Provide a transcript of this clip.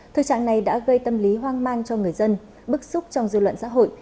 thực trạng này đã gây tâm lý hoang mang cho người dân bức xúc trong dư luận xã hội